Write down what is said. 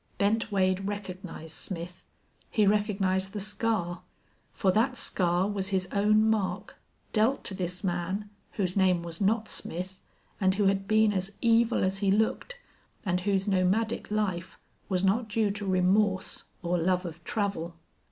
Bent Wade recognized Smith. He recognized the scar. For that scar was his own mark, dealt to this man, whose name was not Smith, and who had been as evil as he looked, and whose nomadic life was not due to remorse or love of travel.